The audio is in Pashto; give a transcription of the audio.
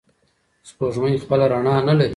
سپوږمۍ خپله رڼا نلري.